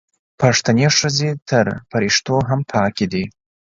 پښتنې ښځې تر فریښتو هم پاکې دي